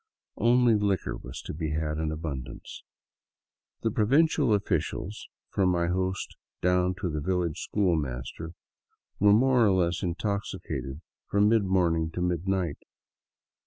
Only liquor was to be had in abundance. The provincial officials, from my host down to the village school master, were more or less intoxicated from mid morning to midnight.